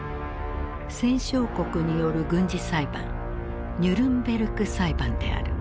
戦勝国による軍事裁判ニュルンベルク裁判である。